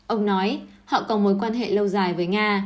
ông nói họ có mối quan hệ lâu dài với nga